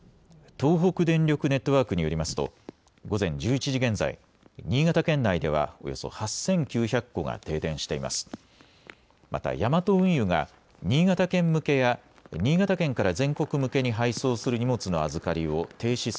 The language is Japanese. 東北電力ネットワークによりますと午前１１時現在、新潟県内ではおよそ８９００戸が停電しています。